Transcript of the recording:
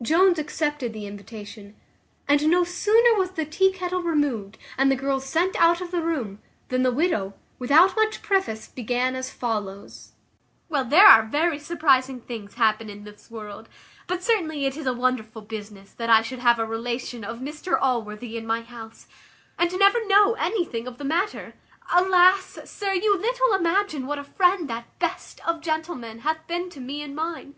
Jones accepted the invitation; and no sooner was the tea kettle removed, and the girls sent out of the room, than the widow, without much preface, began as follows: "Well, there are very surprizing things happen in this world; but certainly it is a wonderful business that I should have a relation of Mr Allworthy in my house, and never know anything of the matter. Alas! sir, you little imagine what a friend that best of gentlemen hath been to me and mine.